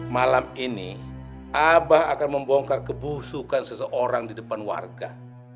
malam ini abah akan membongkar kebusukan seseorang di depan warga